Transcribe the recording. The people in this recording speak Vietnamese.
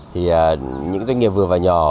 thì những doanh nghiệp vừa và nhỏ